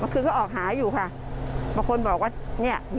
มันเป็นลูกชายคนเดียว